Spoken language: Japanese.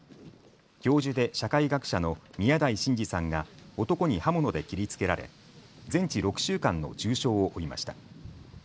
教授で社会学者の宮台真司さんが男に刃物で切りつけられ全治６週間の重傷を負いました。